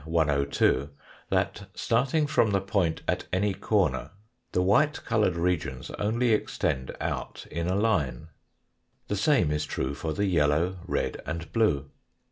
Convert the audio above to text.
102, that starting from the point at any corner, the white coloured regions only extend out in a line. The same is true for the yellow, red, and blue.